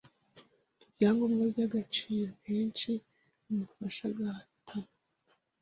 mubyangombwa by’agaciro kenshi bimufasha agahatana